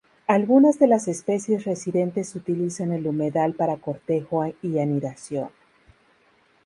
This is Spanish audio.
Algunas de las especies residentes utilizan el humedal para cortejo y anidación.